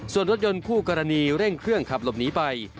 ส่วนรถยนต์คู่กรณีเร่งเครื่องขับหลบหนีไป